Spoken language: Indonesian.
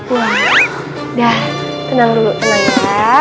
udah tenang dulu tenang ya